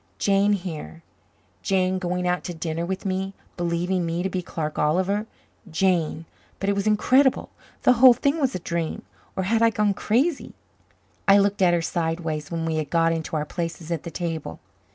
Jane here! Jane going out to dinner with me, believing me to be Clark Oliver! Jane but it was incredible! The whole thing was a dream or I had gone crazy! I looked at her sideways when we had got into our places at the table.